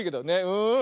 うん。